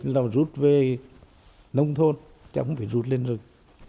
lào rút về nông thôn chẳng phải rút lên rừng